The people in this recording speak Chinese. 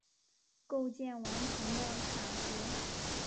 构建完成的卡组。